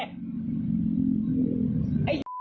กูขามดีเนี่ย